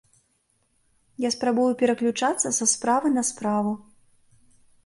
Я спрабую пераключацца са справы на справу.